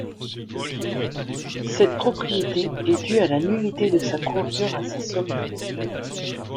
Cette propriété est due à la nullité de sa courbure à ses sommets.